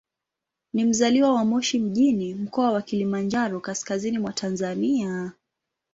Ni mzaliwa wa Moshi mjini, Mkoa wa Kilimanjaro, kaskazini mwa Tanzania.